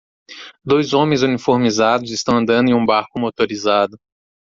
Dois homens uniformizados estão andando em um barco motorizado.